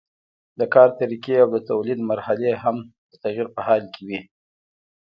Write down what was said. د کار طریقې او د تولید مرحلې هم د تغییر په حال کې وي.